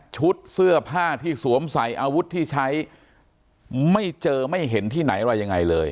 เสื้อผ้าที่สวมใส่อาวุธที่ใช้ไม่เจอไม่เห็นที่ไหนอะไรยังไงเลย